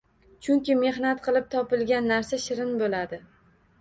Chunki mehnat qilib topilgan narsa shirin bo’ladi